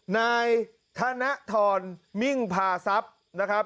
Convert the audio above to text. นายธนทรมิ่งพาทรัพย์นะครับ